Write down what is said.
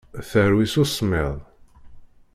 Terwi s usemmiḍ.